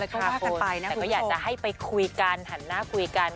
แต่ก็อยากจะให้ไปคุยกันหันหน้าคุยกัน